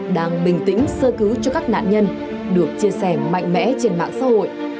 đang bình tĩnh sơ cứu cho các nạn nhân được chia sẻ mạnh mẽ trên mạng xã hội